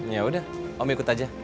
ya udah om ikut aja